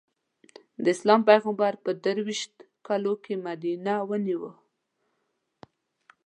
د اسلام پېغمبر په درویشت کالو کې مدینه ونیو.